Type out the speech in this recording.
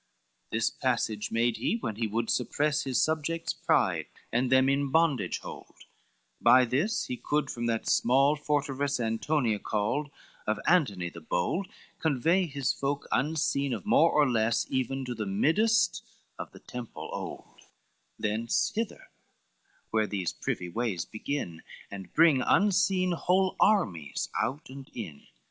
XXXI "This passage made he, when he would suppress His subjects' pride, and them in bondage hold; By this he could from that small forteress Antonia called, of Antony the bold, Convey his folk unseen of more and less Even to the middest of the temple old, Thence, hither; where these privy ways begin, And bring unseen whole armies out and in.